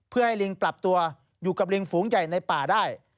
เพื่อให้ลิงปรับตัวอยู่กับลิงฝูงใหญ่ในป่าได้